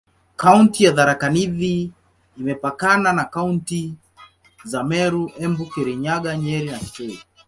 Kaunti ya Tharaka Nithi imepakana na kaunti za Meru, Embu, Kirinyaga, Nyeri na Kitui.